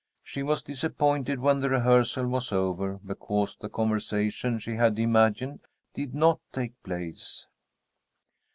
She was disappointed when the rehearsal was over because the conversation she had imagined did not take place.